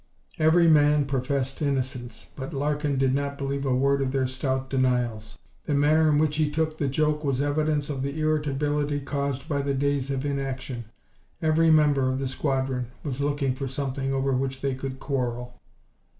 Every man professed innocence, but Larkin did not believe a word of their stout denials. The manner in which he took the joke was evidence of the irritability caused by the days of inaction. Every member of the squadron was looking for something over which they could quarrel.